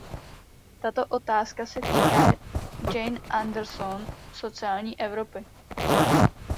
Tato otázka se týká, Jane Anderssone, sociální Evropy.